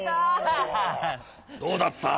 どうだった？